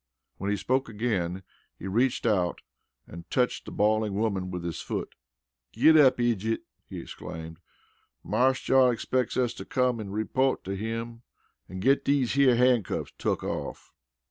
When he spoke again, he reached out and touched the bawling woman with his foot. "Git up idjit!" he exclaimed. "Marse John expecks us to come an' repote to him an' git dese here handcuffs tuck off."